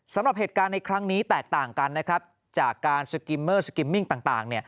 สำหรับเหตุการณ์ในครั้งนี้แตกต่างกันนะครับจากการสกิมเมอร์สกิมมิ่งต่าง